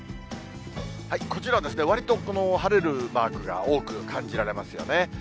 こちらはわりと晴れるマークが多く感じられますよね。